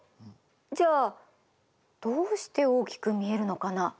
じゃあどうして大きく見えるのかな？